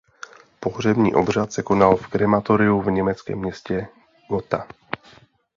Pohřební obřad se konal v krematoriu v německém městě Gotha.